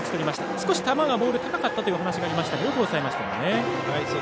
少しボールが高かったという話がありましたがよく抑えましたよね。